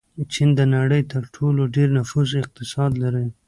چین د نړۍ تر ټولو ډېر نفوس اقتصاد لري.